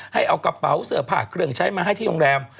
ให้เอากระเป๋าเสื้อผ้าเครื่องใช้มาให้ที่โรงแรม